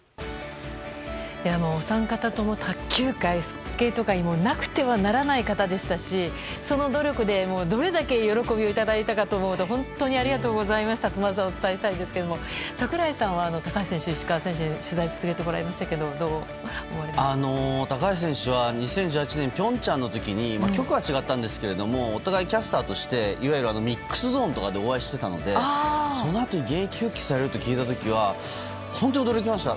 お三方とも卓球界、スケート界になくてはならない方でしたしその努力でどれだけ喜びをいただいたかと思うと本当にありがとうございましたとまずお伝えしたいですが櫻井さんは高橋選手、石川選手に取材を続けていただきましたが高橋選手は２０１８年の平昌の時に局は違ったんですがお互いキャスターとしてミックスゾーンでお会いしてたのでそのあと現役復帰されると聞いた時は本当に驚きました。